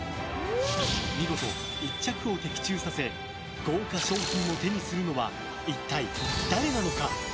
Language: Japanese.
見事１着を的中させ豪華賞品を手にするのは一体誰なのか！？